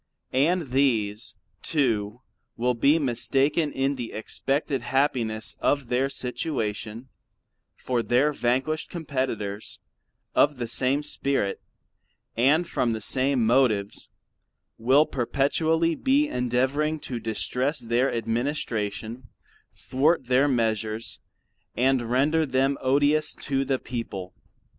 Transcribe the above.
And these too will be mistaken in the expected happiness of their situation: For their vanquished competitors of the same spirit, and from the same motives will perpetually be endeavouring to distress their administration, thwart their measures, and render them odious to the people.